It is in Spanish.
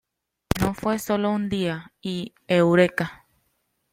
No fue un solo día y ¡Eureka!